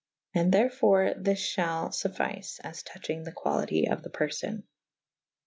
And therfore this fhall fuffyfe as touch ynge the qualitie of the perlbn.